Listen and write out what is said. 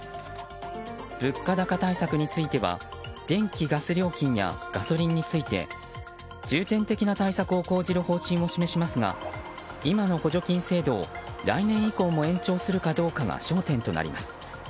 物価高対策については電気・ガス料金やガソリンについて重点的な対策を講じる方針を示しますが今の補助金制度を来年以降も延長するかどうかが焦点となります。